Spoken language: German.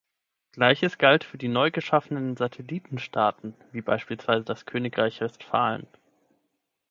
Gleiches galt für die neu geschaffenen Satellitenstaaten, wie beispielsweise das Königreich Westphalen.